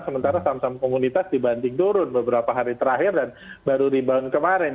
sementara saham saham komunitas dibanting turun beberapa hari terakhir dan baru rebound kemarin